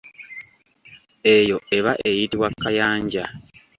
Eyo eba eyitibwa kayanja.